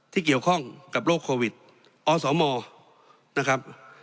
ที่เกี่ยวข้องกับโรคโควิดอสมนะครับ